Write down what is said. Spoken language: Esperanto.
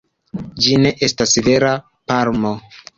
Ĝi ne estas vera palmo.